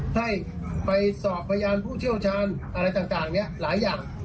ให้ไปสอบพยานผู้เชี่ยวชาญอะไรต่างเนี่ยหลายอย่าง